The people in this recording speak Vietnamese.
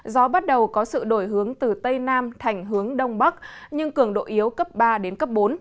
gió bắt đầu có sự đổi hướng từ tây nam thành hướng đông bắc nhưng cường độ yếu cấp ba đến cấp bốn